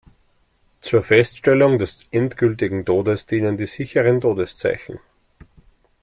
Zur Feststellung des endgültigen Todes dienen die sicheren Todeszeichen.